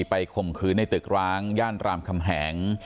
ข่มขืนในตึกร้างย่านรามคำแหง